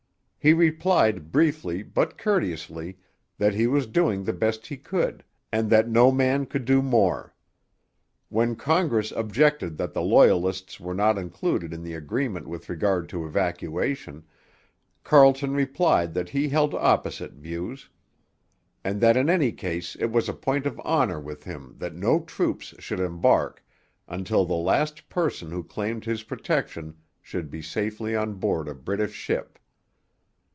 He replied briefly, but courteously, that he was doing the best he could, and that no man could do more. When Congress objected that the Loyalists were not included in the agreement with regard to evacuation, Carleton replied that he held opposite views; and that in any case it was a point of honour with him that no troops should embark until the last person who claimed his protection should be safely on board a British ship.